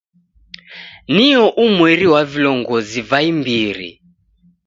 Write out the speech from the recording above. Nio umweri wa vilongozi va imbiri.